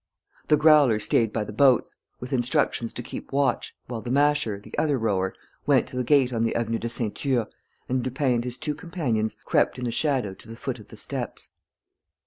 The Growler stayed by the boats, with instructions to keep watch, while the Masher, the other rower, went to the gate on the Avenue de Ceinture, and Lupin and his two companions crept in the shadow to the foot of the steps.